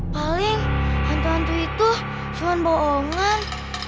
paling hantu hantu itu cuma boongan